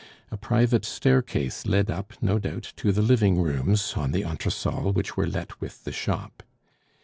A private staircase led up, no doubt, to the living rooms on the entresol which were let with the shop.